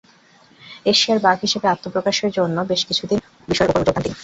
এশিয়ার বাঘ হিসেবে আত্মপ্রকাশের জন্য বেশ কিছু বিষয়ের ওপর জোর দেন তিনি।